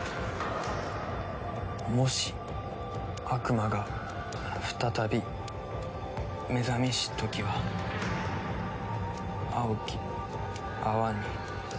「もし悪魔が再び目覚めしときは青き泡に」。